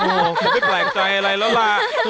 โอ้โหคงไม่แปลกใจอะไรแล้วล่ะ